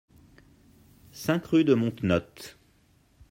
cinq rue de Montenotte